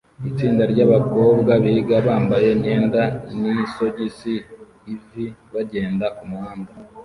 Itsinda ryabakobwa biga bambaye imyenda nisogisi ivi bagenda kumuhanda